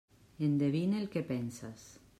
Endevine el que penses.